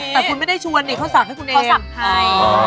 แต่คุณไม่ได้ชวนนี่เขาสั่งให้คุณเองเขาสั่งให้